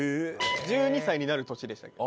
１２歳になる年でしたけど。